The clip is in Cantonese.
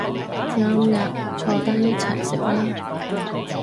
啱吖，坐低一齊食啦